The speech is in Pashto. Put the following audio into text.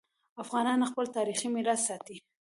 افغانان خپل تاریخي میراث ساتي.